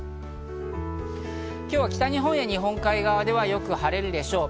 今日は北日本や日本海側ではよく晴れるでしょう。